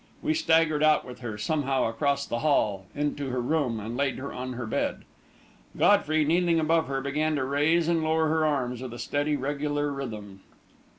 We staggered out with her, somehow, across the hall, into her room, and laid her on her bed. Godfrey, kneeling above her, began to raise and lower her arms, with a steady, regular rhythm.